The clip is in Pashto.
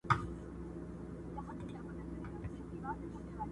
حقيقت د سور تر شا ورک پاتې کيږي تل